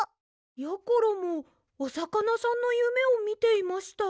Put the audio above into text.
やころもおさかなさんのゆめをみていました。